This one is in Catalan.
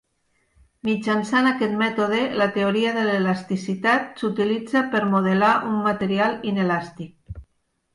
Mitjançant aquest mètode, la teoria de l'elasticitat s'utilitza per modelar un material inelàstic.